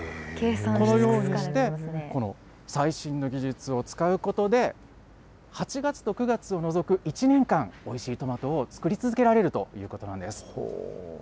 このようにして、この最新の技術を使うことで、８月と９月を除く１年間、おいしいトマトを作り続けられるということなんです。